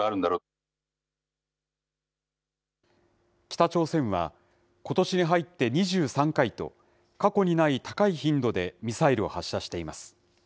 北朝鮮は、ことしに入って２３回と、過去にない高い頻度でミサイルを発射しています。